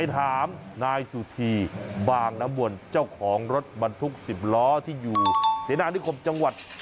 เอาไว้กันอย่างนี้นะครับ